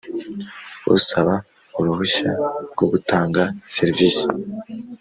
Usaba uruhushya rwo gutanga serivisi